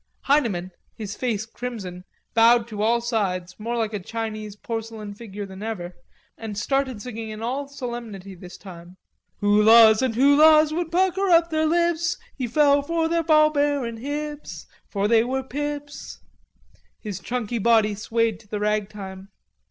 Heineman, his face crimson, bowed to all sides, more like a Chinese porcelain figure than ever, and started singing in all solemnity this time. "Hulas and hulas would pucker up their lips, He fell for their ball bearing hips For they were pips..." His chunky body swayed to the ragtime.